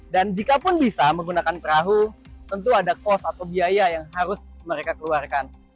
dan jikapun bisa menggunakan perahu tentu ada kos atau biaya yang harus mereka keluarkan